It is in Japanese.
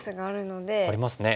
ありますね。